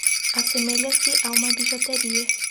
Assemelha-se a uma bijuteria